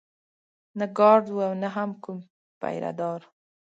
نه ګارډ و او نه هم کوم پيره دار.